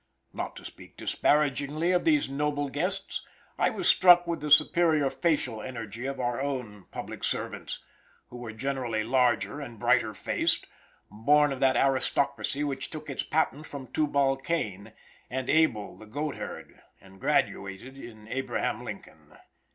Not to speak disparagingly of these noble guests, I was struck with the superior facial energy of our own public servants, who were generally larger, and brighter faced, born of that aristocracy which took its patent from Tubal Cain, and Abel the goatherd, and graduated in Abraham Lincoln.